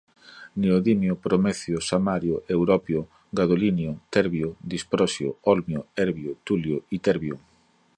neodímio, promécio, samário, európio, gadolínio, térbio, disprósio, hólmio, érbio, túlio, itérbio